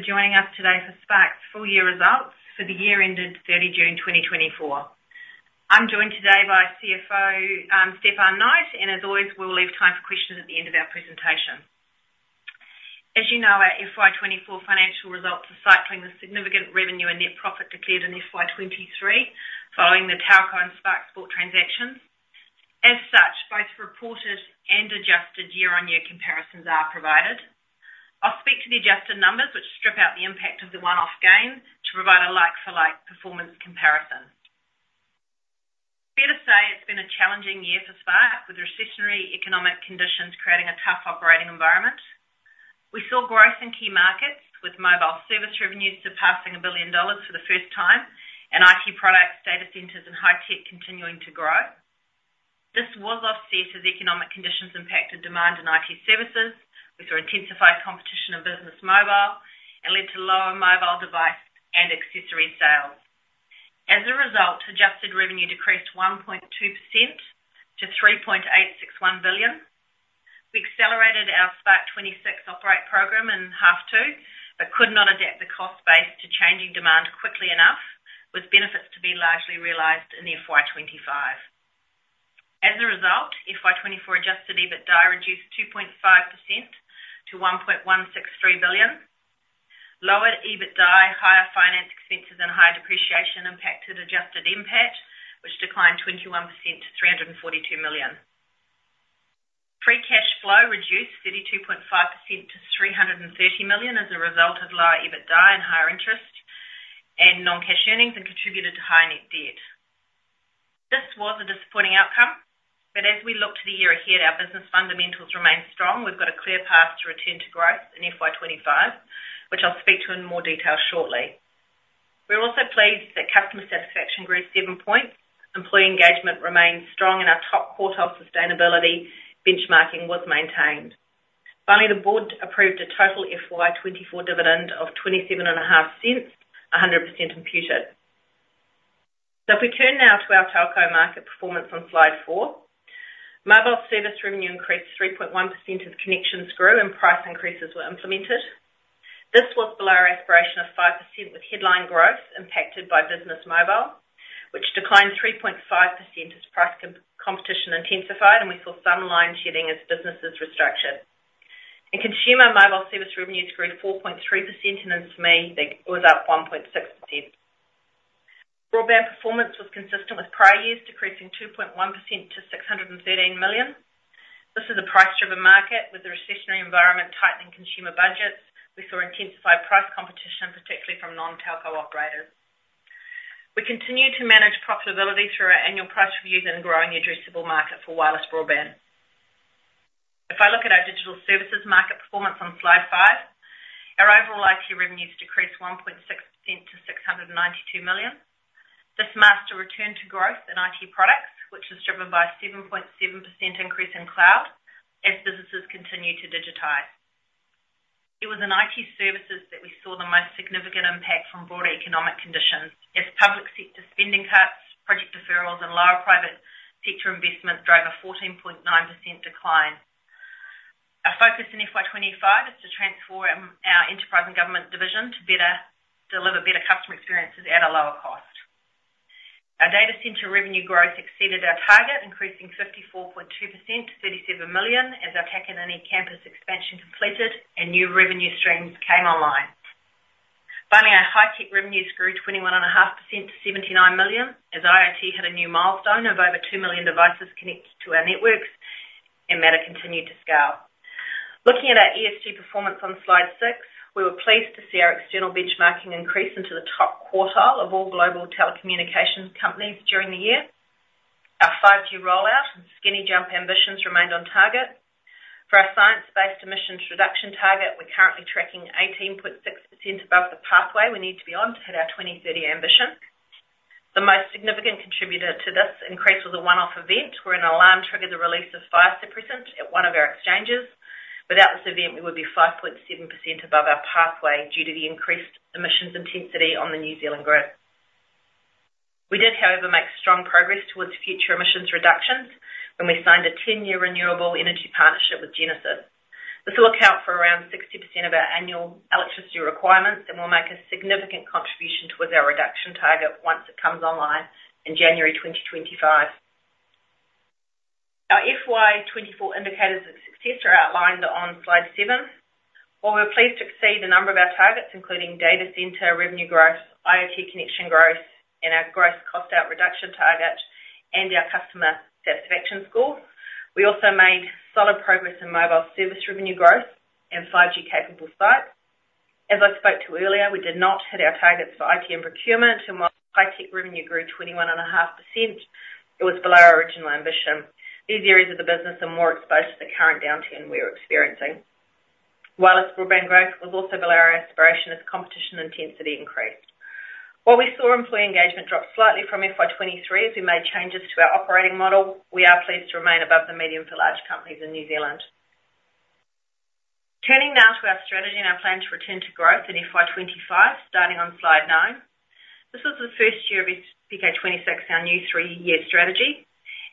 Thanks for joining us today for Spark's full year results for the year ended 30 June 2024. I'm joined today by CFO Stefan Knight, and as always, we'll leave time for questions at the end of our presentation. As you know, our FY 2024 financial results are cycling the significant revenue and net profit declared in FY 2023, following the Telco and Spark Sport transactions. As such, both reported and adjusted year-on-year comparisons are provided. I'll speak to the adjusted numbers, which strip out the impact of the one-off gain, to provide a like-for-like performance comparison. Fair to say, it's been a challenging year for Spark, with recessionary economic conditions creating a tough operating environment. We saw growth in key markets, with mobile service revenues surpassing 1 billion dollars for the first time, and IT products, data centers, and high-tech continuing to grow. This was offset as economic conditions impacted demand in IT services, which were intensified competition in business mobile and led to lower mobile device and accessory sales. As a result, adjusted revenue decreased 1.2% to 3.861 billion. We accelerated our SPK-26 Operate Programme in half two, but could not adapt the cost base to changing demand quickly enough, with benefits to be largely realized in FY 2025. As a result, FY 2024 adjusted EBITDA reduced 2.5% to 1.163 billion. Lower EBITDA, higher finance expenses, and higher depreciation impacted adjusted NPAT, which declined 21% to 342 million. Free cash flow reduced 32.5% to 330 million as a result of lower EBITDA and higher interest and non-cash earnings, and contributed to higher net debt. This was a disappointing outcome, but as we look to the year ahead, our business fundamentals remain strong. We've got a clear path to return to growth in FY 2025, which I'll speak to in more detail shortly. We're also pleased that customer satisfaction grew seven points, employee engagement remains strong, and our top quartile sustainability benchmarking was maintained. Finally, the board approved a total FY 2024 dividend of 27.5 cents, 100% imputed. If we turn now to our telco market performance on slide four, mobile service revenue increased 3.1% as connections grew and price increases were implemented. This was below our aspiration of 5%, with headline growth impacted by business mobile, which declined 3.5% as price competition intensified, and we saw some line shedding as businesses restructured. Consumer mobile service revenues grew 4.3%, and Pay Monthly, they was up 1.6%. Broadband performance was consistent with prior years, decreasing 2.1% to 613 million. This is a price-driven market with a recessionary environment tightening consumer budgets. We saw intensified price competition, particularly from non-telco operators. We continue to manage profitability through our annual price reviews and growing addressable market for wireless broadband. If I look at our digital services market performance on slide five our overall IT revenues decreased 1.6% to 692 million. This marks a return to growth in IT products, which was driven by a 7.7% increase in cloud as businesses continue to digitize. It was in IT services that we saw the most significant impact from broader economic conditions, as public sector spending cuts, project deferrals, and lower private sector investment drove a 14.9% decline. Our focus in FY 2025 is to transform our enterprise and government division to better deliver better customer experiences at a lower cost. Our data center revenue growth exceeded our target, increasing 54.2% to 37 million as our Takanini campus expansion completed and new revenue streams came online. Finally, our high tech revenues grew 21.5% to 79 million, as IoT hit a new milestone of over two million devices connected to our networks, and Matter continued to scale. Looking at our ESG performance on slide six, we were pleased to see our external benchmarking increase into the top quartile of all global telecommunications companies during the year. Our 5G rollout and Skinny Jump ambitions remained on target. For our science-based emissions reduction target, we're currently tracking 18.6% above the pathway we need to be on to hit our 2030 ambition. The most significant contributor to this increase was a one-off event, where an alarm triggered the release of fire suppressant at one of our exchanges. Without this event, we would be 5.7% above our pathway due to the increased emissions intensity on the New Zealand Grid. We did, however, make strong progress towards future emissions reductions when we signed a 10-year renewable energy partnership with Genesis Energy. This will account for around 60% of our annual electricity requirements and will make a significant contribution towards our reduction target once it comes online in January 2025. Our FY 2024 indicators of success are outlined on slide seven, where we're pleased to exceed a number of our targets, including data center revenue growth, IoT connection growth, and our gross cost out reduction target, and our customer satisfaction score. We also made solid progress in mobile service revenue growth and 5G-capable sites. As I spoke to earlier, we did not hit our targets for IT and procurement, and while high tech revenue grew 21.5%, it was below our original ambition. These areas of the business are more exposed to the current downturn we're experiencing. Wireless broadband growth was also below our aspiration as competition intensity increased. While we saw employee engagement drop slightly from FY 2023 as we made changes to our operating model, we are pleased to remain above the median for large companies in New Zealand. Turning now to our strategy and our plan to return to growth in FY 2025, starting on slide nine. This was the first year of SPK-26, our new three-year strategy.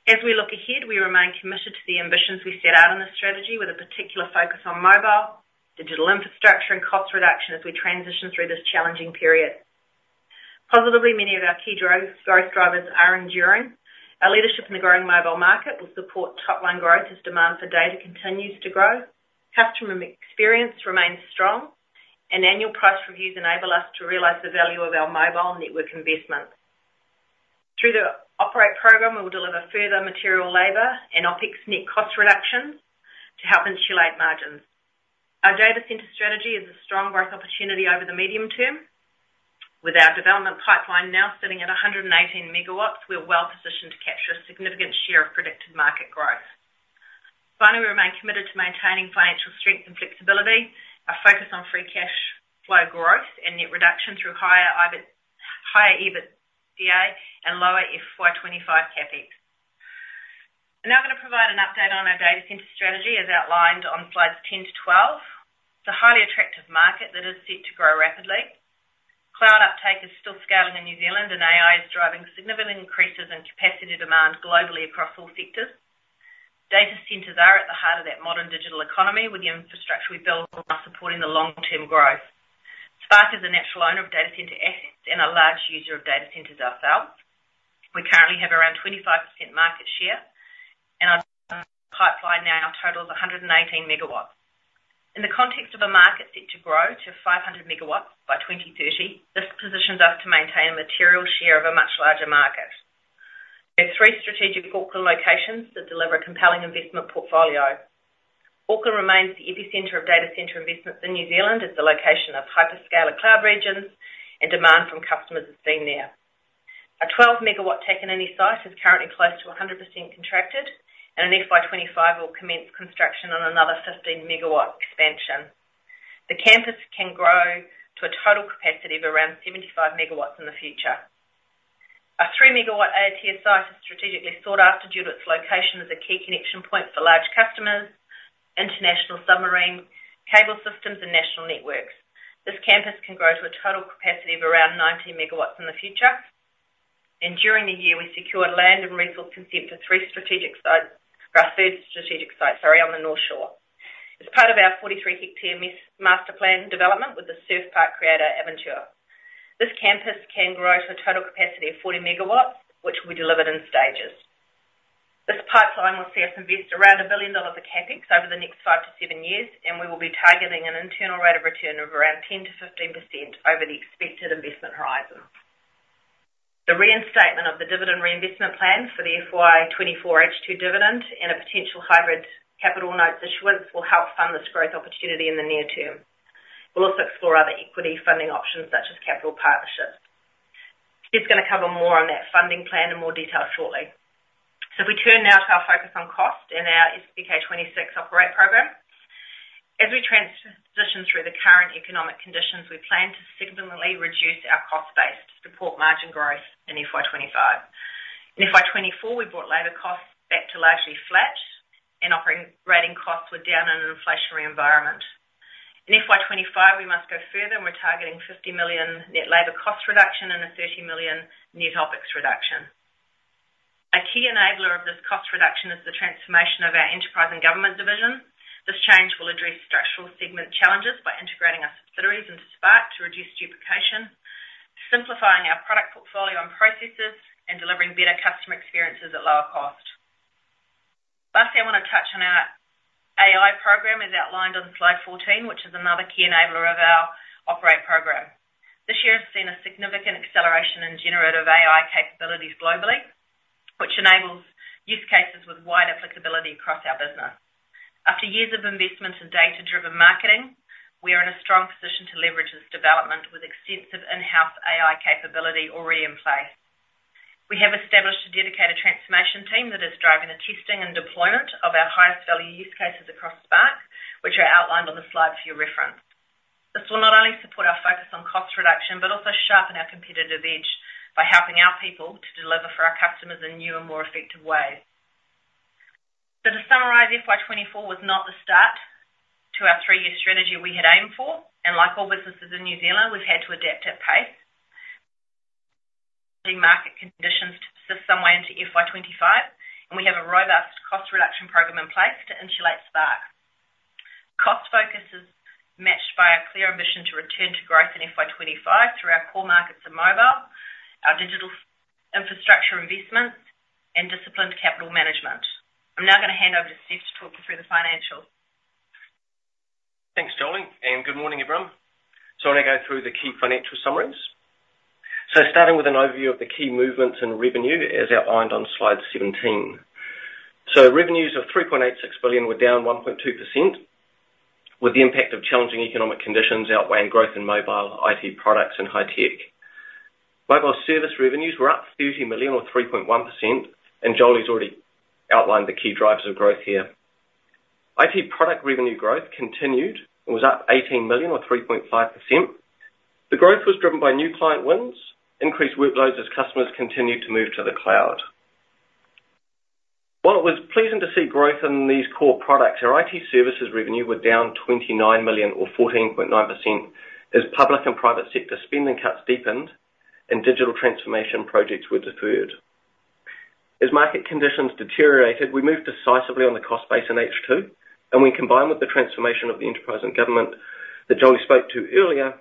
As we look ahead, we remain committed to the ambitions we set out on this strategy, with a particular focus on mobile, digital infrastructure, and cost reduction as we transition through this challenging period. Positively, many of our key growth, growth drivers are enduring. Our leadership in the growing mobile market will support top line growth as demand for data continues to grow. Customer experience remains strong, and annual price reviews enable us to realize the value of our mobile network investments. Through the Operate Programme, we'll deliver further material labor and OpEx net cost reductions to help insulate margins. Our data center strategy is a strong growth opportunity over the medium term. With our development pipeline now sitting at 118 MW, we are well positioned to capture a significant share of predicted market growth. Finally, we remain committed to maintaining financial strength and flexibility, our focus on free cash flow growth and net reduction through higher EBITDA and lower FY 2025 CapEx. I'm now going to provide an update on our data center strategy, as outlined on slides 10 to 12. It's a highly attractive market that is set to grow rapidly. Cloud uptake is still scaling in New Zealand, and AI is driving significant increases in capacity demand globally across all sectors. Data centers are at the heart of that modern digital economy, with the infrastructure we build while supporting the long-term growth. Spark is a natural owner of data center assets and a large user of data centers ourselves. We currently have around 25% market share, and our pipeline now totals 118 MW. In the context of a market set to grow to 500 MW by 2030, this positions us to maintain a material share of a much larger market. We have three strategic Auckland locations that deliver a compelling investment portfolio. Auckland remains the epicenter of data center investments in New Zealand as the location of hyperscaler cloud regions and demand from customers is seen there. Our 12-megawatt Takanini site is currently close to 100% contracted, and in FY 2025 will commence construction on another 15-megawatt expansion. The campus can grow to a total capacity of around 75 MW in the future. Our 3-MW Aotea site is strategically sought after due to its location as a key connection point for large customers, international submarine cable systems, and national networks. This campus can grow to a total capacity of around 90 MW in the future. During the year, we secured land and resource consent to 3 strategic sites, our third strategic site, sorry, on the North Shore. As part of our 43-hectare master plan development with the Surf Park creator, Aventuur, this campus can grow to a total capacity of 40 MW, which will be delivered in stages. This pipeline will see us invest around 1 billion dollars of CapEx over the next five to seven years, and we will be targeting an internal rate of return of around 10% to 15% over the expected investment horizon. The reinstatement of the dividend reinvestment plan for the FY 2024 H2 dividend and a potential hybrid capital notes issuance will help fund this growth opportunity in the near term. We'll also explore other equity funding options, such as capital partnerships. Stef's gonna cover more on that funding plan in more detail shortly. If we turn now to our focus on cost and our SPK26 Operate Program. As we transition through the current economic conditions, we plan to significantly reduce our cost base to support margin growth in FY 2025. In FY 2024, we brought labor costs back to largely flat, and operating costs were down in an inflationary environment. In FY 2025, we must go further, and we're targeting 50 million net labor cost reduction and a 30 million net OpEx reduction. A key enabler of this cost reduction is the transformation of our enterprise and government division. This change will address structural segment challenges by integrating our subsidiaries into Spark to reduce duplication, simplifying our product portfolio and processes, and delivering better customer experiences at lower cost. Lastly, I want to touch on our AI program, as outlined on slide 14, which is another key enabler of our Operate Program. This year has seen a significant acceleration in generative AI capabilities globally, which enables use cases with wide applicability across our business. After years of investment in data-driven marketing, we are in a strong position to leverage this development with extensive in-house AI capability already in place. We have established a dedicated transformation team that is driving the testing and deployment of our highest-value use cases across Spark, which are outlined on the slide for your reference. This will not only support our focus on cost reduction, but also sharpen our competitive edge by helping our people to deliver for our customers in new and more effective ways. So to summarize, FY 2024 was not the start to our three-year strategy we had aimed for, and like all businesses in New Zealand, we've had to adapt at pace. The market conditions to persist some way into FY 2025, and we have a robust cost reduction program in place to insulate Spark. Cost focus is matched by our clear ambition to return to growth in FY 2025 through our core markets and mobile, our digital infrastructure investments, and disciplined capital management. I'm now going to hand over to Stef to talk you through the financials. Thanks, Jolie, and good morning, everyone. So I'm going to go through the key financial summaries. So starting with an overview of the key movements in revenue, as outlined on slide 17. So revenues of 3.86 billion were down 1.2%, with the impact of challenging economic conditions outweighing growth in mobile, IT products, and high tech. Mobile service revenues were up 30 million, or 3.1%, and Jolie's already outlined the key drivers of growth here. IT product revenue growth continued and was up 18 million, or 3.5%. The growth was driven by new client wins, increased workloads as customers continued to move to the cloud.... Well, it was pleasing to see growth in these core products. Our IT services revenue were down 29 million or 14.9%, as public and private sector spending cuts deepened and digital transformation projects were deferred. As market conditions deteriorated, we moved decisively on the cost base in H2, and when combined with the transformation of the enterprise and government that Jolie spoke to earlier,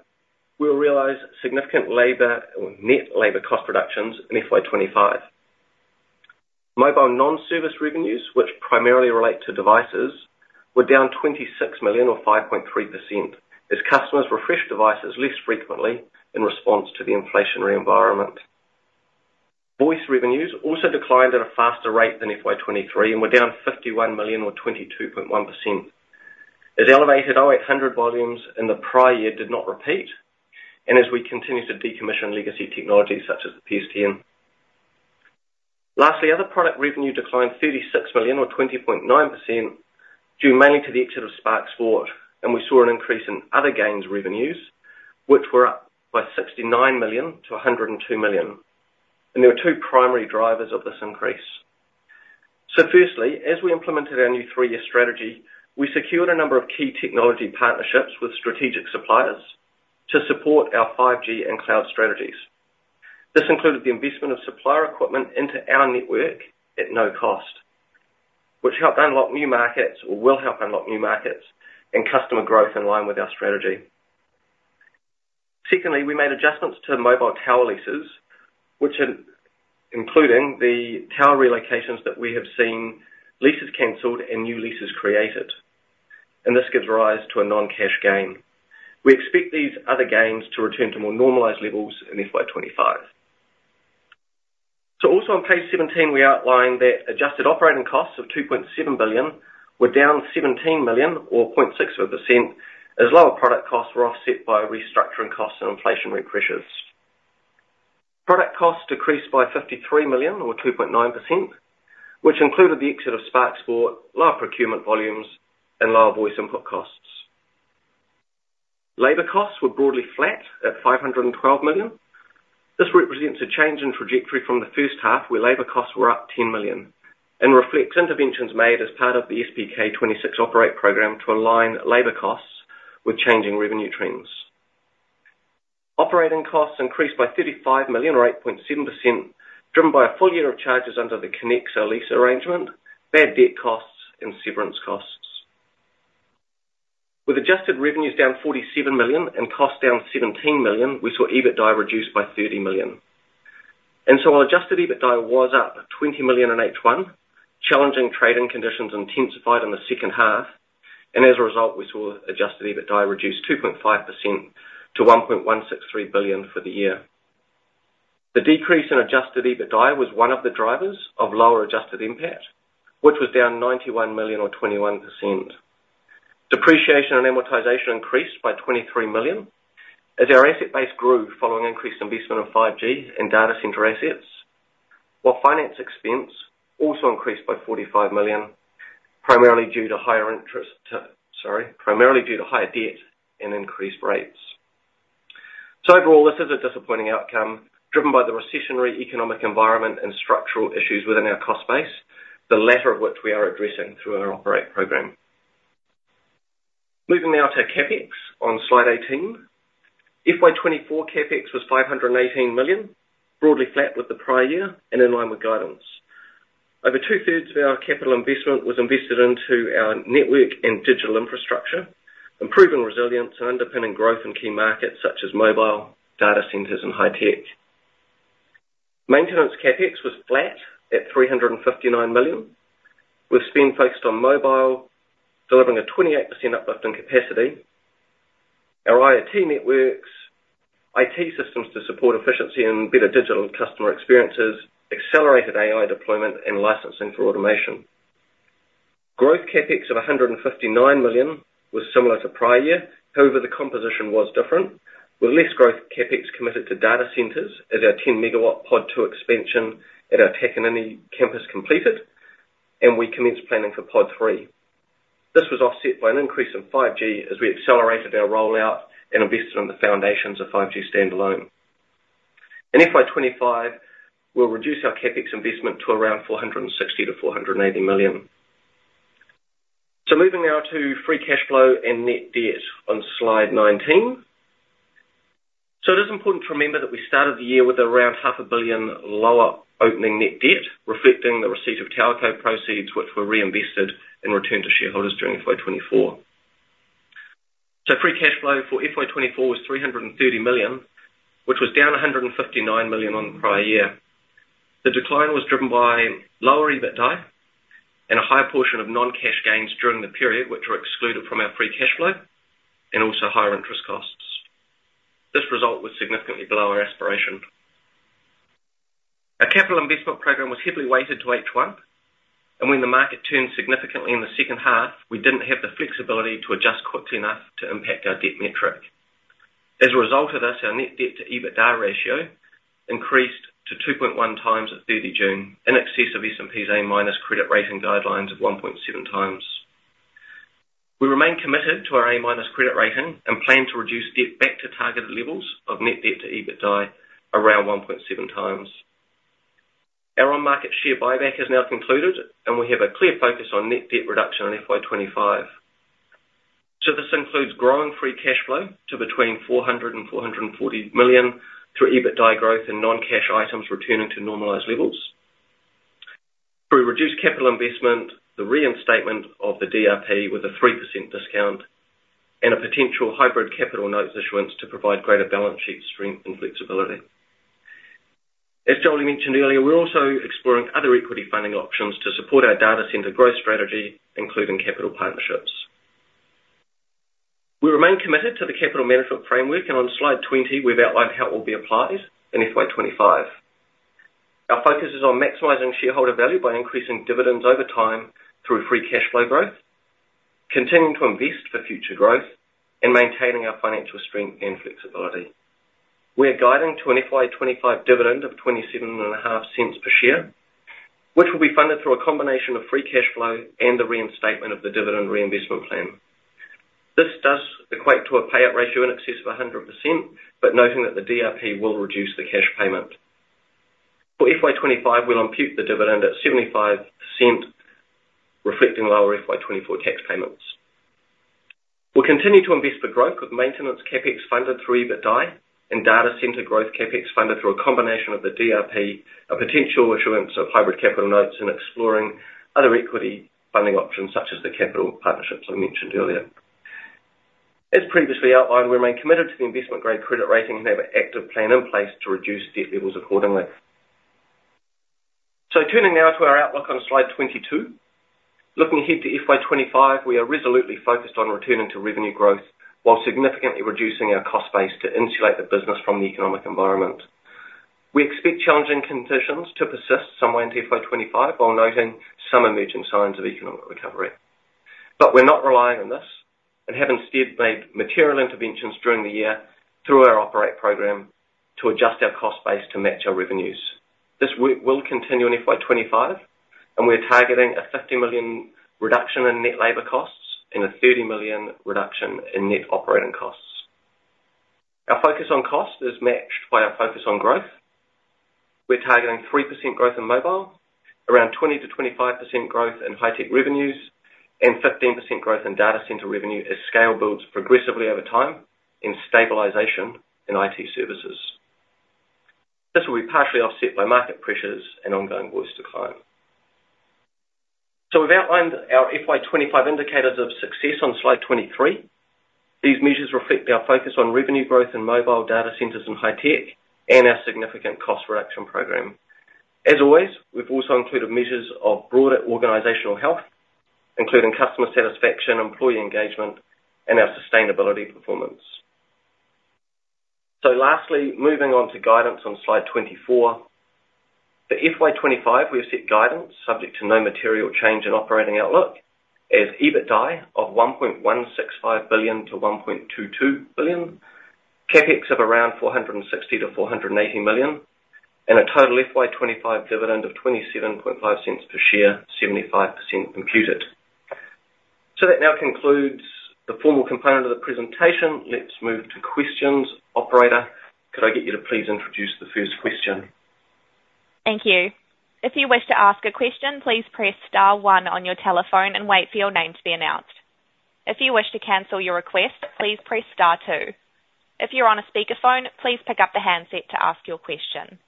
we'll realize significant labor or net labor cost reductions in FY 2025. Mobile non-service revenues, which primarily relate to devices, were down 26 million or 5.3%, as customers refreshed devices less frequently in response to the inflationary environment. Voice revenues also declined at a faster rate than FY 2023 and were down 51 million or 22.1%. As elevated 0800 volumes in the prior year did not repeat, and as we continue to decommission legacy technologies such as the PSTN. Lastly, other product revenue declined 36 million or 20.9%, due mainly to the exit of Spark Sport, and we saw an increase in other gains revenues, which were up by 69 million to 102 million. And there are two primary drivers of this increase. So firstly, as we implemented our new three-year strategy, we secured a number of key technology partnerships with strategic suppliers to support our 5G and cloud strategies. This included the investment of supplier equipment into our network at no cost, which helped unlock new markets or will help unlock new markets and customer growth in line with our strategy. Secondly, we made adjustments to mobile tower leases, which including the tower relocations that we have seen, leases canceled and new leases created, and this gives rise to a non-cash gain. We expect these other gains to return to more normalized levels in FY 2025. So also on page 17, we outlined that adjusted operating costs of 2.7 billion were down 17 million or 0.6%, as lower product costs were offset by restructuring costs and inflationary pressures. Product costs decreased by 53 million or 2.9%, which included the exit of Spark Sport, lower procurement volumes, and lower voice input costs. Labor costs were broadly flat at 512 million. This represents a change in trajectory from the first half, where labor costs were up 10 million, and reflects interventions made as part of the SPK26 Operate Program to align labor costs with changing revenue trends. Operating costs increased by 35 million or 8.7%, driven by a full year of charges under the Connexa lease arrangement, bad debt costs and severance costs. With adjusted revenues down 47 million and costs down 17 million, we saw EBITDA reduced by 30 million. And so while adjusted EBITDA was up 20 million in H1, challenging trading conditions intensified in the second half, and as a result, we saw adjusted EBITDA reduce 2.5% to 1.163 billion for the year. The decrease in adjusted EBITDA was one of the drivers of lower adjusted NPAT, which was down 91 million or 21%. Depreciation and amortization increased by 23 million, as our asset base grew following increased investment in 5G and data center assets, while finance expense also increased by 45 million, primarily due to higher debt and increased rates. Overall, this is a disappointing outcome, driven by the recessionary economic environment and structural issues within our cost base, the latter of which we are addressing through our Operate Program. Moving now to CapEx on slide 18. FY 2024 CapEx was 518 million, broadly flat with the prior year and in line with guidance. Over two-thirds of our capital investment was invested into our network and digital infrastructure, improving resilience and underpinning growth in key markets such as mobile, data centers and high-tech. Maintenance CapEx was flat at 359 million, with spend focused on mobile, delivering a 28% uplift in capacity. Our IoT networks, IT systems to support efficiency and better digital customer experiences, accelerated AI deployment and licensing for automation. Growth CapEx of 159 million was similar to prior year. However, the composition was different, with less growth CapEx committed to data centers as our 10-megawatt pod two expansion at our Takanini campus completed, and we commenced planning for pod three. This was offset by an increase in 5G as we accelerated our rollout and invested in the foundations of 5G standalone. In FY 2025, we'll reduce our CapEx investment to around 460 to 480 million. So moving now to free cash flow and net debt on slide 19. It is important to remember that we started the year with around 500 million lower opening net debt, reflecting the receipt of Telco proceeds, which were reinvested and returned to shareholders during FY 2024. Free cash flow for FY 2024 was 330 million, which was down 159 million on prior year. The decline was driven by lower EBITDA and a higher portion of non-cash gains during the period, which were excluded from our free cash flow, and also higher interest costs. This result was significantly below our aspiration. Our capital investment program was heavily weighted to H1, and when the market turned significantly in the second half, we didn't have the flexibility to adjust quickly enough to impact our debt metric. As a result of this, our net debt to EBITDA ratio increased to 2.1 times at 30 June, in excess of S&P's A- credit rating guidelines of 1.7 times. We remain committed to our A- credit rating and plan to reduce debt back to targeted levels of net debt to EBITDA around 1.7 times. Our on-market share buyback is now concluded, and we have a clear focus on net debt reduction in FY 2025. So this includes growing free cash flow to between 400 million and 440 million through EBITDA growth and non-cash items returning to normalized levels. Through reduced capital investment, the reinstatement of the DRP with a 3% discount, and a potential hybrid capital notes issuance to provide greater balance sheet strength and flexibility. As Jolie mentioned earlier, we're also exploring other equity funding options to support our data center growth strategy, including capital partnerships. We remain committed to the capital management framework, and on slide 20, we've outlined how it will be applied in FY 2025. Our focus is on maximizing shareholder value by increasing dividends over time through free cash flow growth, continuing to invest for future growth, and maintaining our financial strength and flexibility. We are guiding to an FY 2025 dividend of 0.275 per share, which will be funded through a combination of free cash flow and the reinstatement of the dividend reinvestment plan. This does equate to a payout ratio in excess of 100%, but noting that the DRP will reduce the cash payment. For FY 2025, we'll impute the dividend at 75 cents, reflecting lower FY 2024 tax payments. We'll continue to invest for growth, with maintenance CapEx funded through EBITDA and data center growth CapEx funded through a combination of the DRP, a potential issuance of hybrid capital notes, and exploring other equity funding options, such as the capital partnerships I mentioned earlier. As previously outlined, we remain committed to the investment-grade credit rating and have an active plan in place to reduce debt levels accordingly. So turning now to our outlook on slide 22. Looking ahead to FY 2025, we are resolutely focused on returning to revenue growth while significantly reducing our cost base to insulate the business from the economic environment. We expect challenging conditions to persist somewhere into FY 2025, while noting some emerging signs of economic recovery. We're not relying on this and have instead made material interventions during the year through our Operate Program to adjust our cost base to match our revenues. This will continue in FY 2025, and we're targeting a 50 million reduction in net labor costs and a 30 million reduction in net operating costs. Our focus on cost is matched by our focus on growth. We're targeting 3% growth in mobile, around 20% to 25% growth in high-tech revenues, and 15% growth in data center revenue as scale builds progressively over time, and stabilization in IT services. This will be partially offset by market pressures and ongoing voice decline. We've outlined our FY 2025 indicators of success on slide 23. These measures reflect our focus on revenue growth in mobile, data centers, and high-tech, and our significant cost reduction program. As always, we've also included measures of broader organizational health, including customer satisfaction, employee engagement, and our sustainability performance. So lastly, moving on to guidance on slide 24. For FY 2025, we have set guidance subject to no material change in operating outlook as EBITDA of 1.165 billion-1.22 billion, CapEx of around 460 million-480 million, and a total FY 2025 dividend of 0.275 per share, 75% imputed. So that now concludes the formal component of the presentation. Let's move to questions. Operator, could I get you to please introduce the first question? Thank you. If you wish to ask a question, please press star one on your telephone and wait for your name to be announced. If you wish to cancel your request, please press star two. If you're on a speakerphone, please pick up the handset to ask your question.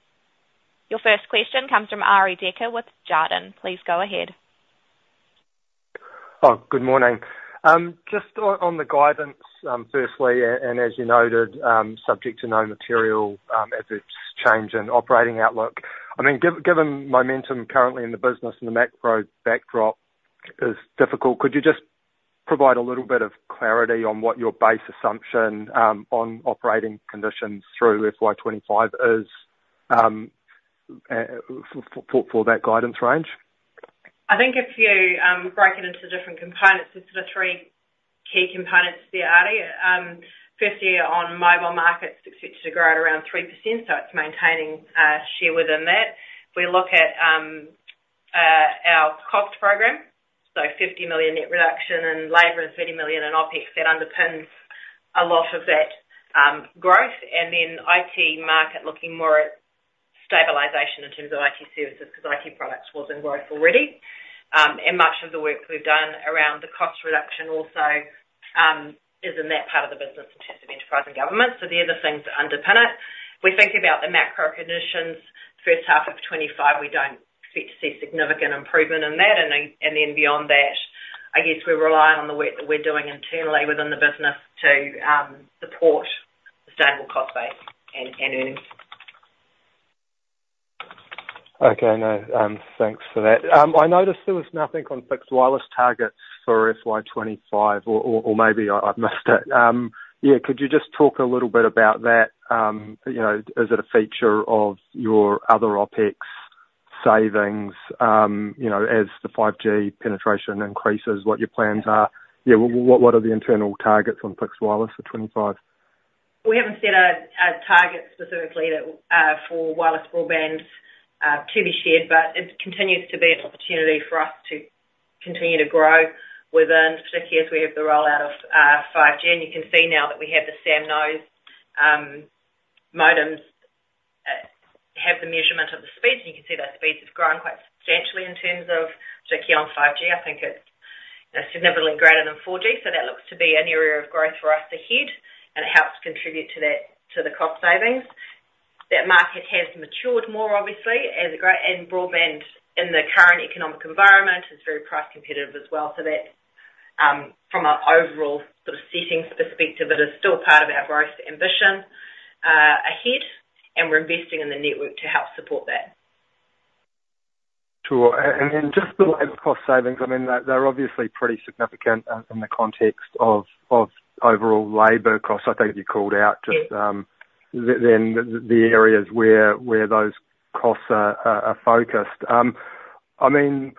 Your first question comes from Arie Dekker with Jarden. Please go ahead. Oh, good morning. Just on the guidance, firstly, and as you noted, subject to no material adverse change in operating outlook, I mean, given momentum currently in the business and the macro backdrop is difficult, could you just provide a little bit of clarity on what your base assumption on operating conditions through FY 2025 is, for that guidance range? I think if you break it into different components, there's sort of three key components there, Arie. Firstly, on mobile markets, expect it to grow at around 3%, so it's maintaining share within that. If we look at our cost program, so 50 million net reduction in labor and 30 million in OpEx, that underpins a lot of that growth. And then IT market, looking more at stabilization in terms of IT services, because IT products was in growth already. And much of the work we've done around the cost reduction also is in that part of the business in terms of enterprise and government. So they're the things that underpin it. We think about the macro conditions, first half of 2025, we don't expect to see significant improvement in that. Beyond that, I guess we're relying on the work that we're doing internally within the business to support sustainable cost base and earnings. Okay. No, thanks for that. I noticed there was nothing on fixed wireless targets for FY 2025, or maybe I, I've missed it. Yeah, could you just talk a little bit about that? You know, is it a feature of your other OpEx savings? You know, as the 5G penetration increases, what your plans are? Yeah, what are the internal targets on fixed wireless for 2025?... We haven't set a target specifically that for wireless broadband to be shared, but it continues to be an opportunity for us to continue to grow within, particularly as we have the rollout of 5G. And you can see now that we have the SamKnows modems have the measurement of the speeds, and you can see those speeds have grown quite substantially in terms of particularly on 5G. I think it's, you know, significantly greater than 4G. So that looks to be an area of growth for us ahead, and it helps contribute to that, to the cost savings. That market has matured more obviously, as it grow-- and broadband in the current economic environment is very price competitive as well. So that, from an overall sort of setting perspective, it is still part of our growth ambition ahead, and we're investing in the network to help support that. Sure, and just the labor cost savings, I mean, they're obviously pretty significant in the context of overall labor costs. I think you called out just. Yes. then the areas where those costs are focused. I mean,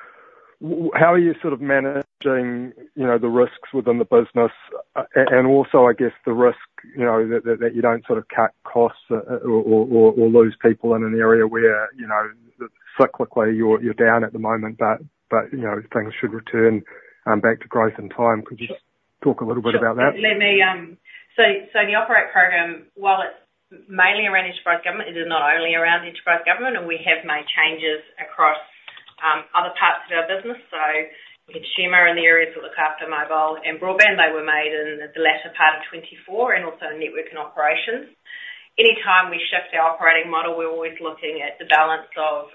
how are you sort of managing, you know, the risks within the business, and also, I guess, the risk, you know, that you don't sort of cut costs or lose people in an area where, you know, cyclically, you're down at the moment, but you know, things should return back to growth in time. Sure. Could you talk a little bit about that? Let me. So the Operate Program, while it's mainly around enterprise government, it is not only around enterprise government, and we have made changes across other parts of our business. So consumer in the areas that look after mobile and broadband, they were made in the latter part of 2024, and also network and operations. Anytime we shift our operating model, we're always looking at the balance of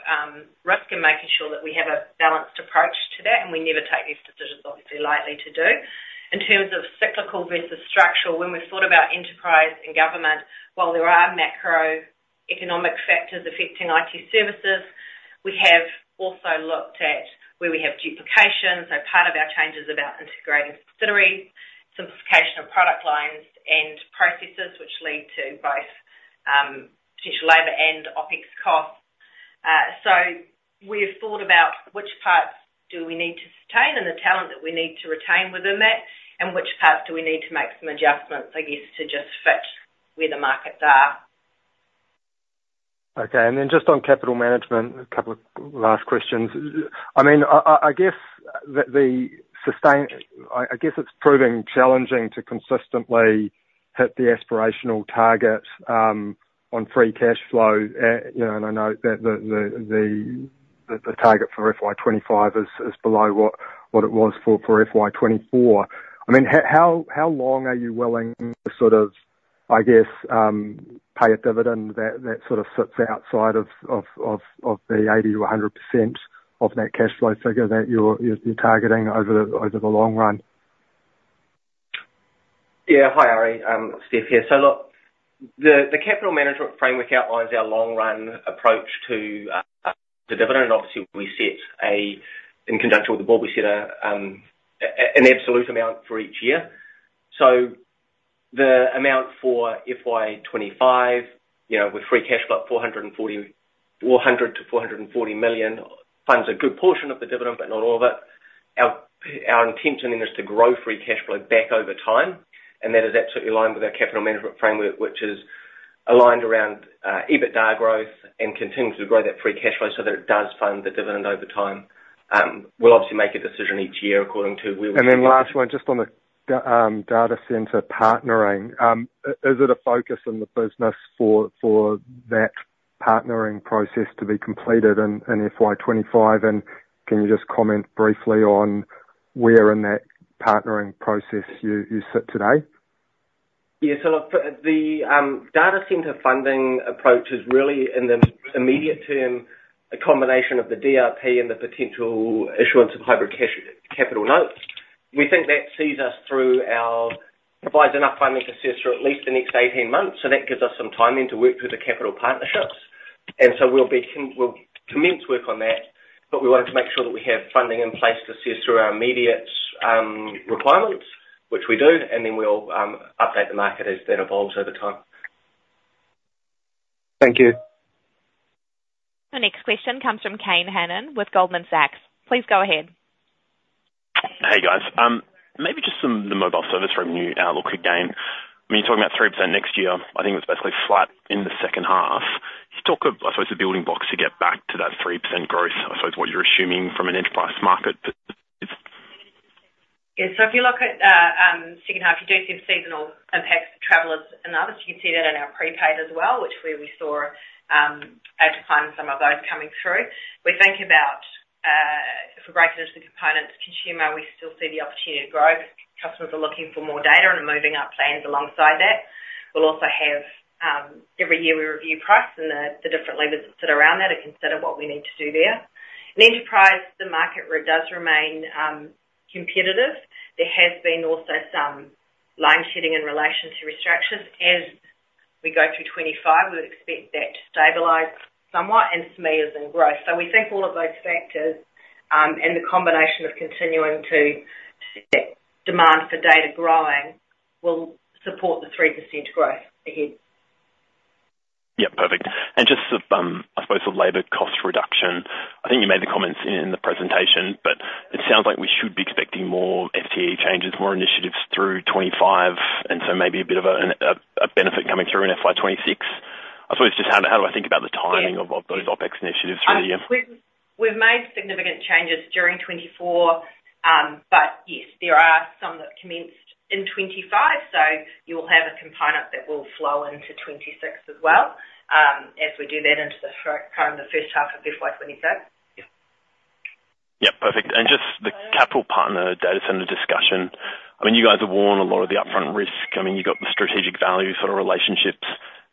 risk and making sure that we have a balanced approach to that, and we never take these decisions obviously lightly to do. In terms of cyclical versus structural, when we thought about enterprise and government, while there are macroeconomic factors affecting IT services, we have also looked at where we have duplication. So part of our changes about integrating subsidiary, simplification of product lines and processes, which lead to both potential labor and OpEx costs. So we have thought about which parts do we need to sustain, and the talent that we need to retain within that, and which parts do we need to make some adjustments, I guess, to just fit where the markets are. Okay. And then just on capital management, a couple of last questions. I mean, I guess it's proving challenging to consistently hit the aspirational target on free cash flow. You know, and I know that the target for FY 2025 is below what it was for FY 2024. I mean, how long are you willing to sort of, I guess, pay a dividend that sort of sits outside of the 80% to 100% of that cash flow figure that you're targeting over the long run? Yeah. Hi, Arie, Stefan here. So look, the capital management framework outlines our long run approach to the dividend. Obviously, we set, in conjunction with the board, an absolute amount for each year. So the amount for FY 2025, you know, with free cash flow, 400-440 million, funds a good portion of the dividend, but not all of it. Our intention then is to grow free cash flow back over time, and that is absolutely in line with our capital management framework, which is aligned around EBITDA growth and continuing to grow that free cash flow so that it does fund the dividend over time. We'll obviously make a decision each year according to where we- And then last one, just on the data center partnering. Is it a focus in the business for that partnering process to be completed in FY 2025? And can you just comment briefly on where in that partnering process you sit today? Yeah. So the data center funding approach is really, in the immediate term, a combination of the DRP and the potential issuance of hybrid capital notes. We think that provides enough funding to see us through at least the next eighteen months, so that gives us some timing to work through the capital partnerships. And so we'll commence work on that, but we wanted to make sure that we have funding in place to see us through our immediate requirements, which we do, and then we'll update the market as that evolves over time. Thank you. The next question comes from Kane Hannan with Goldman Sachs. Please go ahead. Hey, guys. Maybe just the mobile service revenue outlook again. I mean, you're talking about 3% next year. I think it's basically flat in the second half. Talk of, I suppose, the building blocks to get back to that 3% growth, I suppose, what you're assuming from an enterprise market perspective. Yeah. So if you look at, second half, you do see seasonal impacts to travelers and others. You can see that in our prepaid as well, which where we saw, over time, some of those coming through. We think about, if we break it into the components, consumer, we still see the opportunity to grow. Customers are looking for more data and are moving up plans alongside that. We'll also have. Every year, we review price and the different levers that sit around that, and consider what we need to do there. In enterprise, the market really does remain competitive. There has been also some line shedding in relation to restructures. As we go through 2025, we'd expect that to stabilize somewhat, and some areas in growth. So we think all of those factors, and the combination of continuing to see demand for data growing, will support the 3% growth ahead. ...Yep, perfect. And just, I suppose the labor cost reduction, I think you made the comments in the presentation, but it sounds like we should be expecting more FTE changes, more initiatives through 2025, and so maybe a bit of a benefit coming through in FY 2026. I suppose just how do I think about the timing of all those OpEx initiatives really? We've made significant changes during 2024, but yes, there are some that commenced in 2025, so you'll have a component that will flow into 2026 as well, as we do that into the kind of the first half of FY 2026. Yep, perfect. And just the capital partner data center discussion. I mean, you guys have worn a lot of the upfront risk. I mean, you've got the strategic value sort of relationships.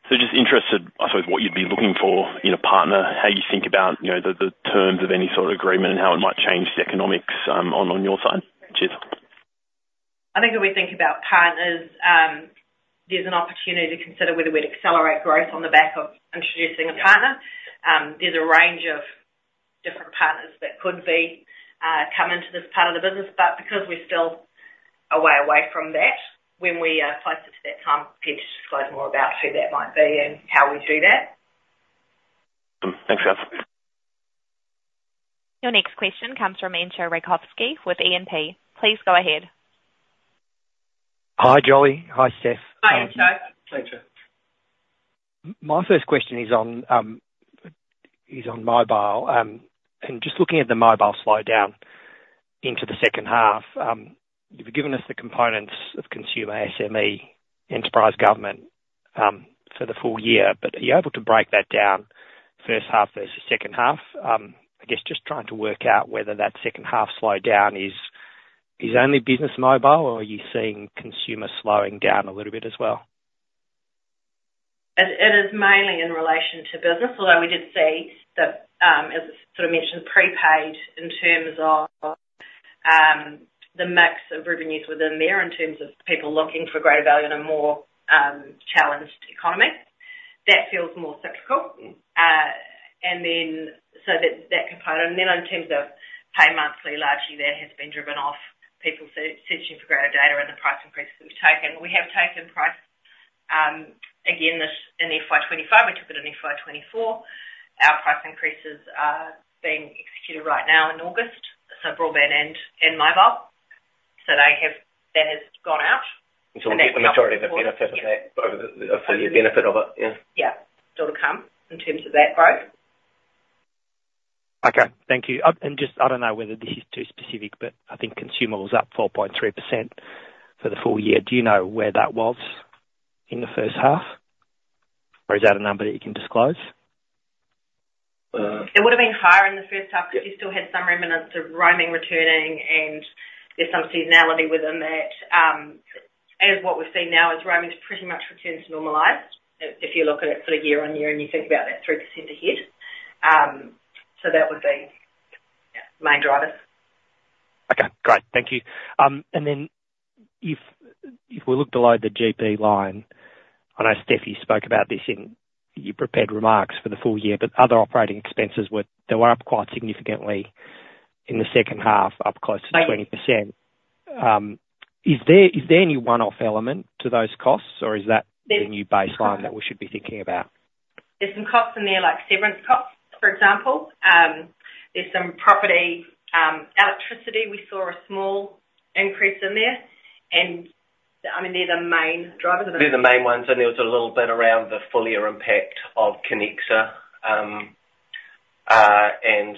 So just interested, I suppose, what you'd be looking for in a partner, how you think about, you know, the terms of any sort of agreement and how it might change the economics, on your side? Cheers. I think when we think about partners, there's an opportunity to consider whether we'd accelerate growth on the back of introducing a partner. There's a range of different partners that could come into this part of the business, but because we're still a way away from that, when we are closer to that time, be able to disclose more about who that might be and how we do that. Thanks, Stef. Your next question comes from Entcho Raykovski with E&P. Please go ahead. Hi, Jolie. Hi, Stef. Hi, Entcho. Hi, Entcho. My first question is on mobile. Just looking at the mobile slowdown into the second half, you've given us the components of consumer SME enterprise government for the full year. But are you able to break that down first half versus second half? I guess just trying to work out whether that second half slowdown is only business mobile, or are you seeing consumer slowing down a little bit as well? It, it is mainly in relation to business, although we did see that, as sort of mentioned, prepaid in terms of, the mix of revenues within there, in terms of people looking for greater value in a more, challenged economy. That feels more cyclical. And then, so that, that component, and then in terms of pay monthly, largely that has been driven off people searching for greater data and the price increases that we've taken. We have taken price, again, this in FY 2025, we took it in FY 2024. Our price increases are being executed right now in August, so broadband and, and mobile. So they have-- that has gone out. So we'll get the majority of the benefit of that, of the benefit of it? Yeah. Yeah. Still to come in terms of that growth. Okay, thank you. And just I don't know whether this is too specific, but I think consumer's up 4.3% for the full year. Do you know where that was in the first half, or is that a number that you can disclose? It would've been higher in the first half- Yeah... because you still had some remnants of roaming, returning, and there's some seasonality within that. As what we've seen now is roaming's pretty much returned to normalized. If you look at it sort of year on year, and you think about that 3% ahead. So that would be main drivers. Okay, great. Thank you. And then if we look below the GP line, I know, Stef, you spoke about this in your prepared remarks for the full year, but other operating expenses were... They were up quite significantly in the second half, up close to 20%. Is there any one-off element to those costs, or is that the new baseline that we should be thinking about? There's some costs in there, like severance costs, for example. There's some property, electricity. We saw a small increase in there, and, I mean, they're the main drivers of it. They're the main ones, and there was a little bit around the full year impact of Connexa, and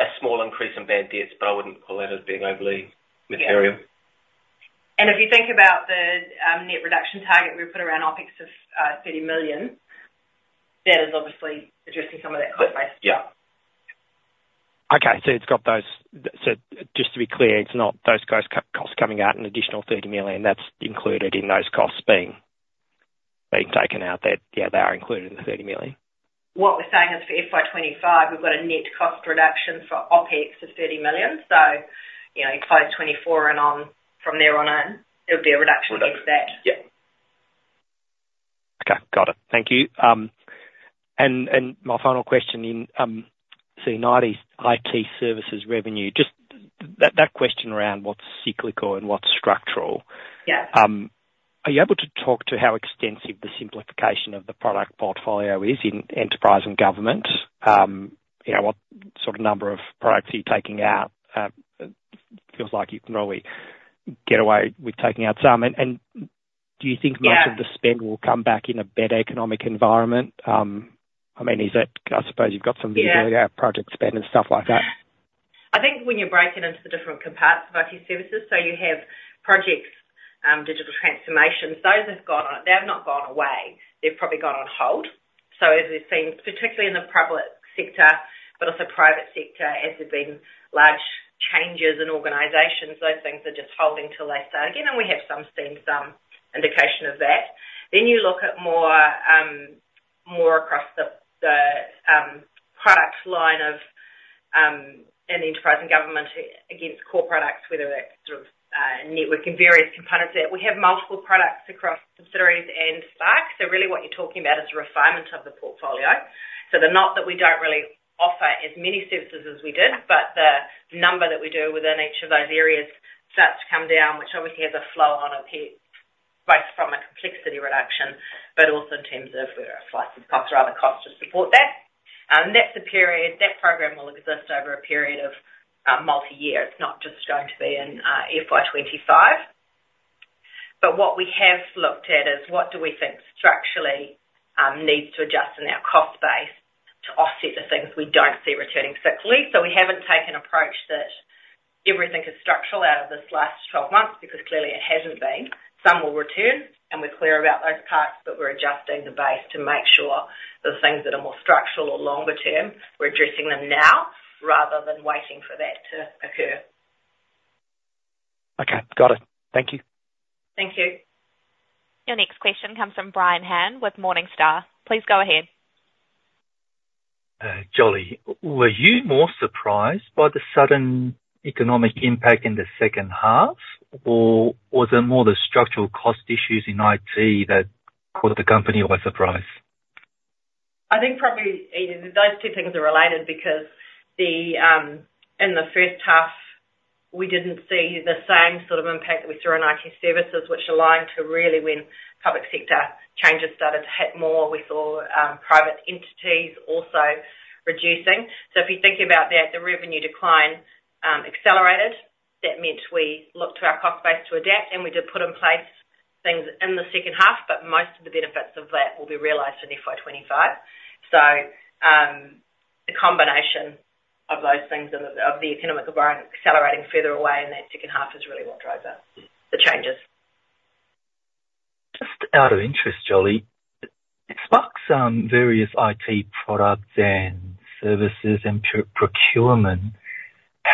a small increase in bad debts, but I wouldn't call that as being overly material. Yeah, and if you think about the net reduction target, we put around OpEx of 30 million, that is obviously addressing some of that cost base. Yeah. Okay. So just to be clear, it's not those costs coming out, an additional 30 million, that's included in those costs being taken out, yeah, they are included in the 30 million? What we're saying is for FY 2025, we've got a net cost reduction for OpEx of 30 million. So, you know, close 2024 and on, from there on, in, it'll be a reduction against that. Yeah. Okay, got it. Thank you. And my final question, so in IT, IT services revenue, just that question around what's cyclical and what's structural. Yeah. Are you able to talk to how extensive the simplification of the product portfolio is in enterprise and government? You know, what sort of number of products are you taking out? Feels like you can probably get away with taking out some. Do you think most- Yeah... of the spend will come back in a better economic environment? I mean, is that, I suppose you've got some- Yeah... project spend and stuff like that. I think when you break it into the different compartments of IT services, so you have projects, digital transformations, those have gone on. They have not gone away. They've probably gone on hold. So as we've seen, particularly in the public sector, but also private sector, as there's been large changes in organizations, those things are just holding till they start again, and we have seen some indication of that. Then you look at more across the product line of an enterprise and government against core products, whether that's sort of network and various components there. We have multiple products across subsidiaries and Spark. So really what you're talking about is a refinement of the portfolio. So they're not that we don't really offer as many services as we did, but the number that we do within each of those areas starts to come down, which obviously has a flow on effect both from a complexity reduction, but also in terms of slice of costs or other costs to support that. That program will exist over a period of multi-year. It's not just going to be in FY 2025. But what we have looked at is what do we think structurally needs to adjust in our cost base to offset the things we don't see returning cyclically? So we haven't taken an approach that everything is structural out of this last twelve months, because clearly it hasn't been. Some will return, and we're clear about those parts, but we're adjusting the base to make sure those things that are more structural or longer term, we're addressing them now rather than waiting for that to occur. Okay, got it. Thank you. Thank you. Your next question comes from Brian Han with Morningstar. Please go ahead. Jolie, were you more surprised by the sudden economic impact in the second half, or was it more the structural cost issues in IT that caught the company by surprise? I think probably those two things are related because in the first half, we didn't see the same sort of impact that we saw in IT services, which aligned to really when public sector changes started to hit more. We saw private entities also reducing. So if you think about that, the revenue decline accelerated. That meant we looked to our cost base to adapt, and we did put in place things in the second half, but most of the benefits of that will be realized in FY 2025. So the combination of those things and of the economic environment accelerating further away in that second half is really what drove the changes. Just out of interest, Jolie, Spark's various IT products and services and procurement,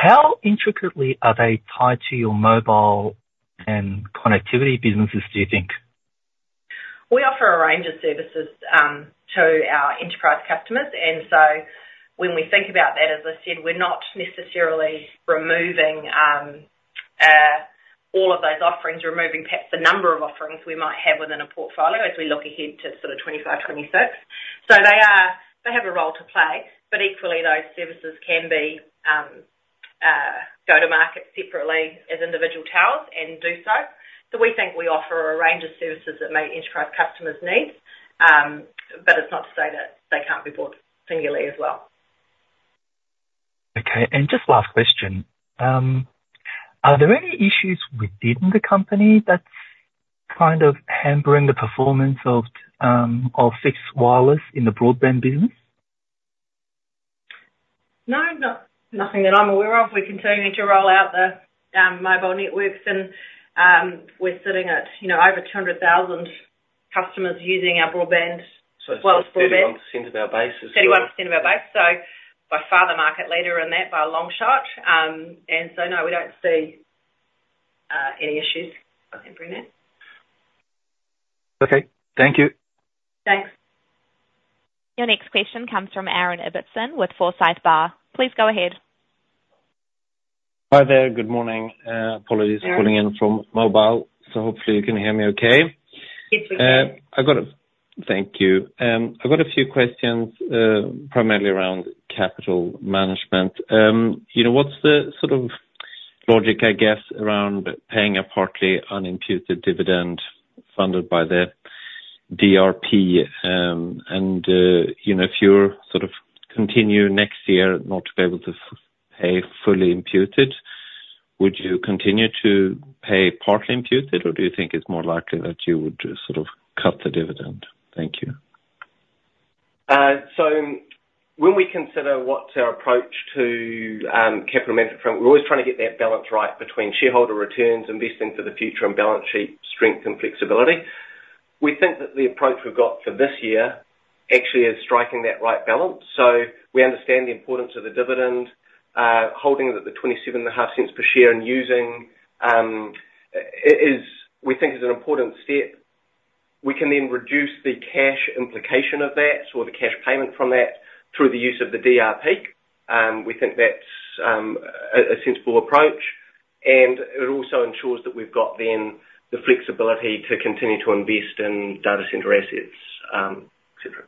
how intricately are they tied to your mobile and connectivity businesses, do you think? We offer a range of services to our enterprise customers, and so when we think about that, as I said, we're not necessarily removing all of those offerings, perhaps the number of offerings we might have within a portfolio as we look ahead to sort of 2025, 2026. They are. They have a role to play, but equally, those services can go to market separately as individual towers and do so. So we think we offer a range of services that meet enterprise customers' needs, but it's not to say that they can't be bought singularly as well. Okay, and just last question. Are there any issues within the company that's kind of hampering the performance of fixed wireless in the broadband business? No, nothing that I'm aware of. We're continuing to roll out the mobile networks and we're sitting at, you know, over two hundred thousand customers using our broadband. Wireless broadband. 31% of our base as well. 31% of our base, so by far the market leader in that, by a long shot. And so, no, we don't see any issues on that. Okay, thank you. Thanks. Your next question comes from Aaron Ibbotson with Forsyth Barr. Please go ahead. Hi there. Good morning. Apologies. Hi, Aaron. Calling in from mobile, so hopefully you can hear me okay. Yes, we can. Thank you. I've got a few questions, primarily around capital management. You know, what's the sort of logic, I guess, around paying a partly unimputed dividend funded by the DRP, and, you know, if you're sort of continue next year not to be able to afford to pay fully imputed, would you continue to pay partly imputed, or do you think it's more likely that you would just sort of cut the dividend? Thank you. When we consider what's our approach to capital management, frankly, we're always trying to get that balance right between shareholder returns, investing for the future, and balance sheet strength and flexibility. We think that the approach we've got for this year actually is striking that right balance. We understand the importance of the dividend, holding it at $0.275 per share and using it is, we think, an important step. We can then reduce the cash implication of that or the cash payment from that through the use of the DRP. We think that's a sensible approach, and it also ensures that we've got then the flexibility to continue to invest in data center assets, et cetera.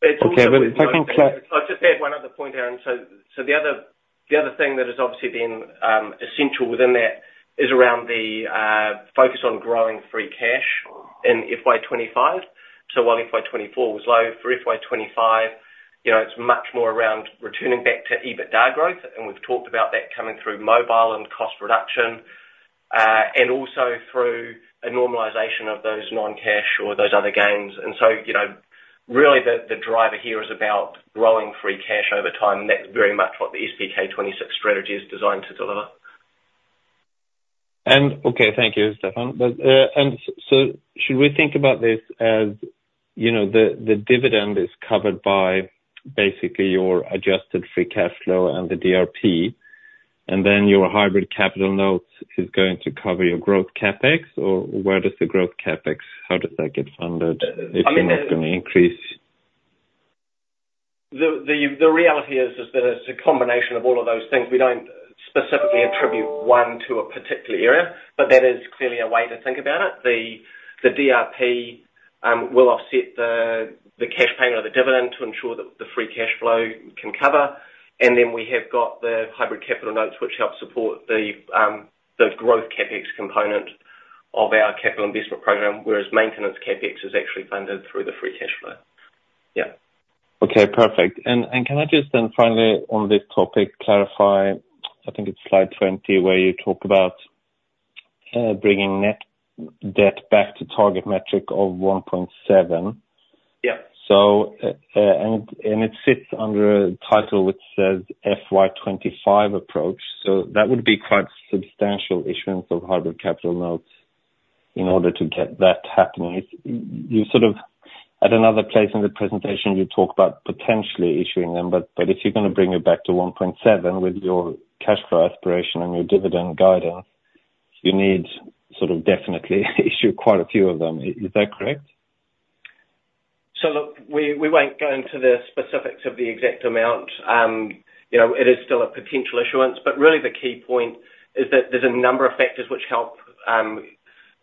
Okay, but if I can just- I'll just add one other point, Aaron. So the other thing that has obviously been essential within that is around the focus on growing free cash in FY 2025. So while FY 2024 was low, for FY 2025, you know, it's much more around returning back to EBITDA growth, and we've talked about that coming through mobile and cost reduction, and also through a normalization of those non-cash or those other gains. And so, you know, really the driver here is about growing free cash over time, and that's very much what the SPK26 strategy is designed to deliver. Okay, thank you, Stefan. But so should we think about this as, you know, the dividend is covered by basically your adjusted free cash flow and the DRP, and then your hybrid capital notes is going to cover your growth CapEx? Or where does the growth CapEx, how does that get funded- I think- If you're not going to increase? ...The reality is that it's a combination of all of those things. We don't specifically attribute one to a particular area, but that is clearly a way to think about it. The DRP will offset the cash payment or the dividend to ensure that the free cash flow can cover. And then we have got the hybrid capital notes, which help support the growth CapEx component of our capital investment program, whereas maintenance CapEx is actually funded through the free cash flow. Yeah. Okay, perfect. And, and can I just then finally, on this topic, clarify? I think it's slide 20, where you talk about bringing net debt back to target metric of 1.7? Yeah. It sits under a title which says FY 2025 approach. That would be quite substantial issuance of hybrid capital notes in order to get that happening. It's you sort of, at another place in the presentation, you talk about potentially issuing them, but if you're gonna bring it back to 1.7 with your cash flow aspiration and your dividend guidance, you need to sort of definitely issue quite a few of them. Is that correct? So look, we won't go into the specifics of the exact amount. You know, it is still a potential issuance, but really the key point is that there's a number of factors which help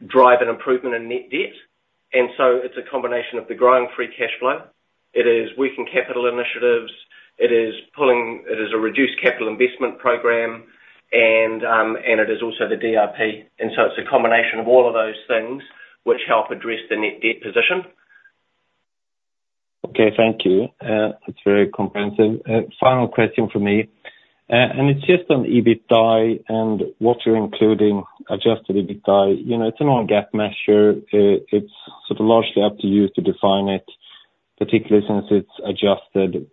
drive an improvement in net debt. It's a combination of the growing free cash flow. It is working capital initiatives, it is a reduced capital investment program, and it is also the DRP. It's a combination of all of those things which help address the net debt position. Okay, thank you. That's very comprehensive. Final question from me, and it's just on EBITDA and what you're including adjusted EBITDA. You know, it's a non-GAAP measure. It's sort of largely up to you to define it, particularly since it's adjusted.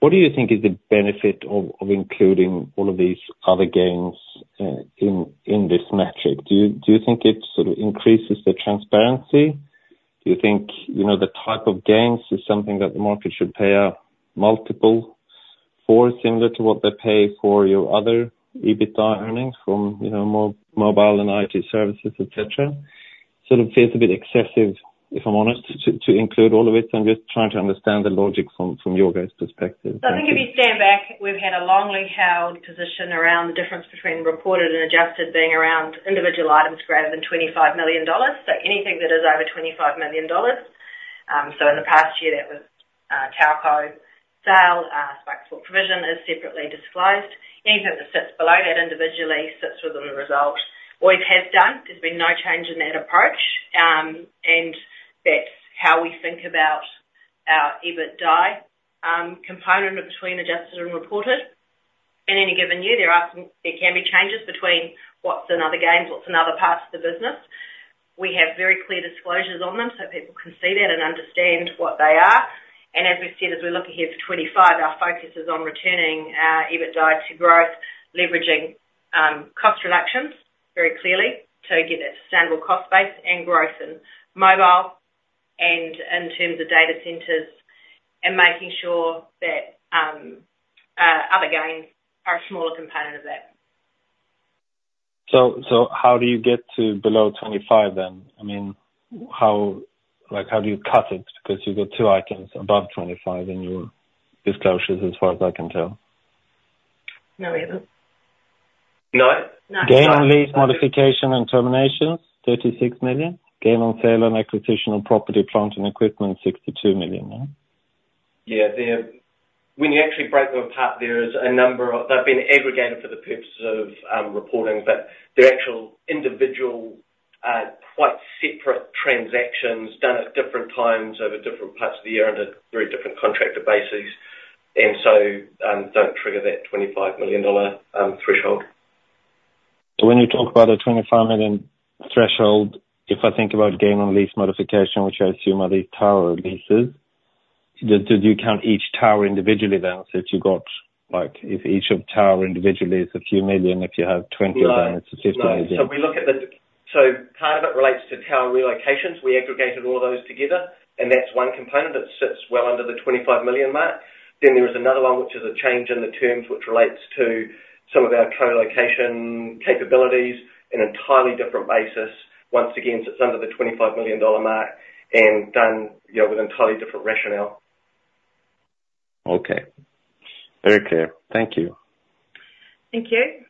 What do you think is the benefit of including all of these other gains in this metric? Do you think it sort of increases the transparency? Do you think, you know, the type of gains is something that the market should pay a multiple for, similar to what they pay for your other EBITDA earnings from, you know, mobile and IT services, et cetera? Sort of feels a bit excessive, if I'm honest, to include all of it. I'm just trying to understand the logic from your guys' perspective. I think if you stand back, we've had a long-held position around the difference between reported and adjusted being around individual items greater than 25 million dollars. So anything that is over 25 million dollars, so in the past year, that was TowerCo sale. Spark Sport provision is separately disclosed. Anything that sits below that individually sits within the result. Always has done. There's been no change in that approach, and that's how we think about our EBITDA component between adjusted and reported. In any given year, there can be changes between what's in other gains, what's in other parts of the business. We have very clear disclosures on them, so people can see that and understand what they are. As we've said, as we look ahead to 2025, our focus is on returning our EBITDA to growth, leveraging cost reductions very clearly to get a sustainable cost base and growth in mobile and in terms of data centers, and making sure that other gains are a smaller component of that. So, how do you get to below 25 then? I mean, how, like, how do you cut it? Because you've got two items above 25 in your disclosures, as far as I can tell. No, we haven't. No? No. Gain on lease modification and terminations, 36 million. Gain on sale and acquisition of property, plant, and equipment, 62 million, yeah? Yeah. When you actually break them apart, there is a number of. They've been aggregated for the purposes of reporting, but the actual individual quite separate transactions done at different times over different parts of the year under very different contractual bases, and so don't trigger that 25 million dollar threshold. So when you talk about a 25 million threshold, if I think about gain on lease modification, which I assume are these tower leases, do you count each tower individually, then? So if you got, like, if each tower individually is a few million, if you have 20 of them, it's a 50 million. No. So part of it relates to tower relocations. We aggregated all those together, and that's one component that sits well under the 25 million mark. Then there is another one, which is a change in the terms, which relates to some of our co-location capabilities, an entirely different basis. Once again, it sits under the 25 million dollar mark and done, you know, with entirely different rationale. Okay. Very clear. Thank you. Thank you.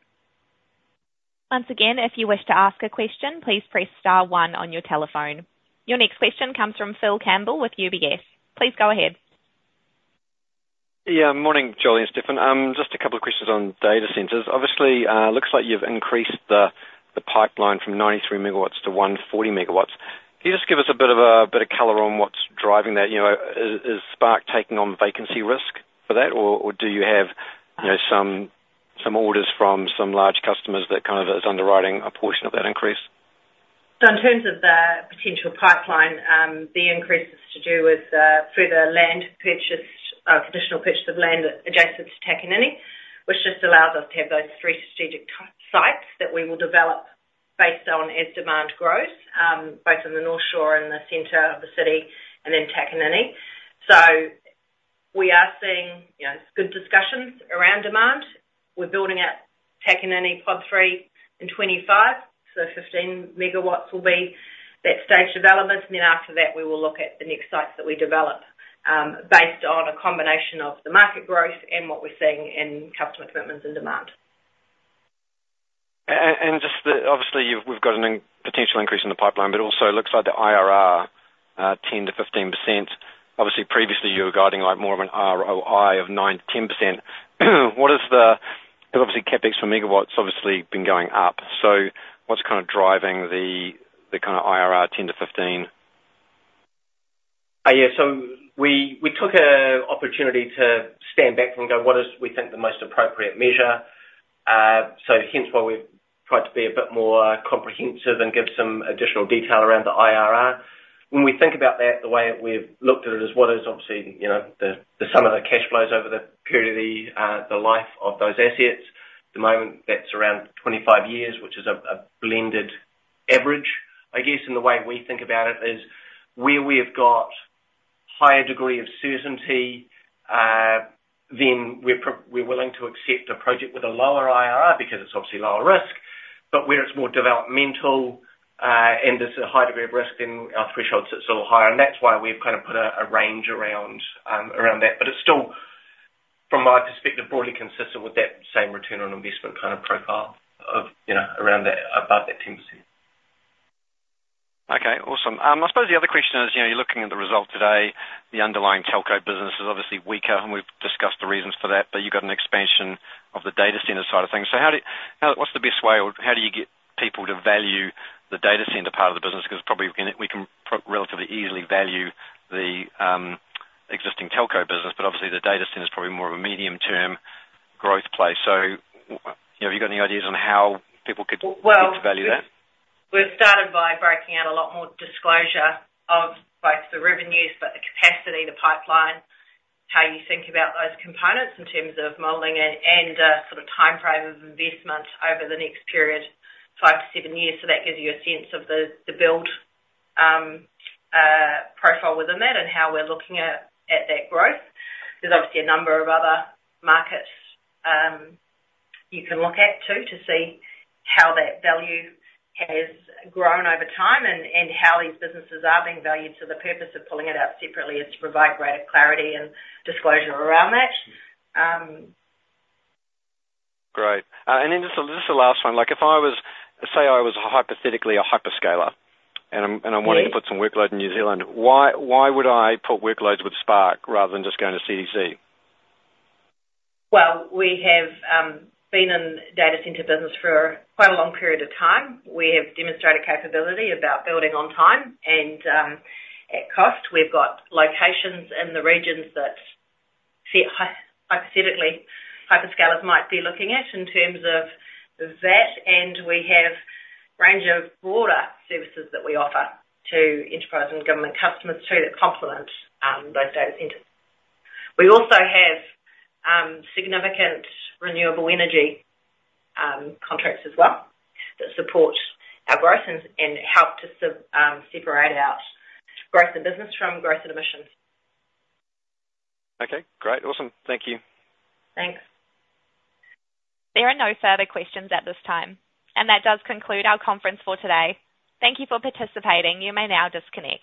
Once again, if you wish to ask a question, please press star one on your telephone. Your next question comes from Phil Campbell with UBS. Please go ahead. Yeah, morning, Jolie and Stefan. Just a couple of questions on data centers. Obviously, looks like you've increased the pipeline from 93 MW to 140 MW. Can you just give us a bit of color on what's driving that? You know, is Spark taking on vacancy risk for that, or do you have some orders from some large customers that kind of is underwriting a portion of that increase? So in terms of the potential pipeline, the increase is to do with further land purchase, conditional purchase of land adjacent to Takanini, which just allows us to have those three strategic sites that we will develop based on as demand grows, both in the North Shore and the center of the city and then Takanini. Good discussions around demand. We're building out Takanini Pod 3 in 2025, so 15 MW will be that stage development. And then after that, we will look at the next sites that we develop, based on a combination of the market growth and what we're seeing in customer commitments and demand. And just the-- obviously, you've-- we've got a potential increase in the pipeline, but also it looks like the IRR, 10% to 15%. Obviously, previously, you were guiding, like, more of an ROI of 9% to 10%. What is the-- obviously, CapEx for megawatts, obviously, been going up. What is kind of driving the, the kind of IRR 10% to 15%? Yeah, so we took an opportunity to stand back and go, "What is, we think, the most appropriate measure?" So hence why we've tried to be a bit more comprehensive and give some additional detail around the IRR. When we think about that, the way we've looked at it is what is obviously, you know, the sum of the cash flows over the period of the life of those assets. At the moment, that's around 25 years, which is a blended average, I guess. The way we think about it is, where we have got higher degree of certainty, then we're willing to accept a project with a lower IRR because it's obviously lower risk. But where it's more developmental and there's a high degree of risk, then our threshold sits a little higher. And that's why we've kind of put a range around that. But it's still, from my perspective, broadly consistent with that same return on investment kind of profile of, you know, around that, above that 10%. Okay, awesome. I suppose the other question is, you know, you're looking at the result today, the underlying telco business is obviously weaker, and we've discussed the reasons for that, but you've got an expansion of the data center side of things. So how what's the best way or how do you get people to value the data center part of the business? Because probably, we can relatively easily value the existing telco business, but obviously, the data center is probably more of a medium-term growth place. So, you know, have you got any ideas on how people could- Well- -value that? We've started by breaking out a lot more disclosure of both the revenues, but the capacity, the pipeline, how you think about those components in terms of modeling it, and sort of timeframe of investment over the next period, five to seven years. So that gives you a sense of the build profile within that and how we're looking at that growth. There's obviously a number of other markets you can look at, too, to see how that value has grown over time and how these businesses are being valued. So the purpose of pulling it out separately is to provide greater clarity and disclosure around that. Great. And then just a last one: like, if I was, say, hypothetically a hyperscaler, and I'm- Yes... and I'm wanting to put some workload in New Zealand, why, why would I put workloads with Spark rather than just going to CDC? We have been in data center business for quite a long period of time. We have demonstrated capability about building on time and at cost. We've got locations in the regions that hypothetically, hyperscalers might be looking at in terms of that. And we have range of broader services that we offer to enterprise and government customers, too, that complement those data centers. We also have significant renewable energy contracts as well, that support our growth and help to separate out growth of business from growth and emissions. Okay, great. Awesome. Thank you. Thanks. There are no further questions at this time, and that does conclude our conference for today. Thank you for participating. You may now disconnect.